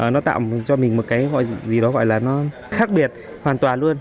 nó tạo cho mình một cái gì đó gọi là nó khác biệt hoàn toàn luôn